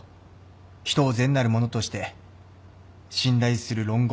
人を善なるものとして信頼する論語。